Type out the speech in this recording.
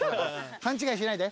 勘違いしないで。